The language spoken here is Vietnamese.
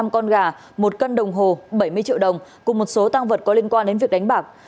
năm con gà một cân đồng hồ bảy mươi triệu đồng cùng một số tăng vật có liên quan đến việc đánh bạc